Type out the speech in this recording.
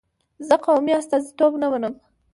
زه قومي استازیتوب نه منم.